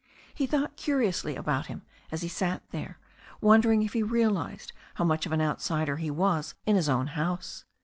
He thought curiously about him as he sat there, wondering if he realized how much of an outsider he was in his own house.